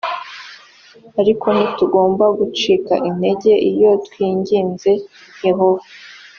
ariko ntitugomba gucika integer iyo twinginze yehova